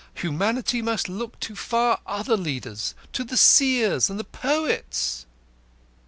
Humanity must look to far other leaders to the seers and the poets!"